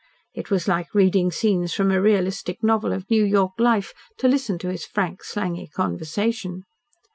It was like reading scenes from a realistic novel of New York life to listen to his frank, slangy conversation.